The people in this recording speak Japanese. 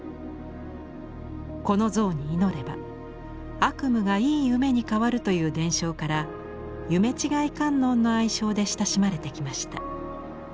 この像に祈れば悪夢がいい夢に変わるという伝承から「夢違観音」の愛称で親しまれてきました。